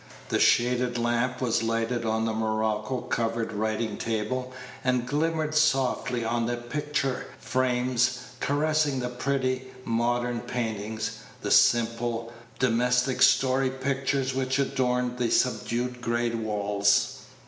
The shaded lamp was lighted on the morocco covered writing table, and glimmered softly on the picture frames, caressing the pretty modern paintings, the simple, domestic story pictures which adorned the subdued gray walls.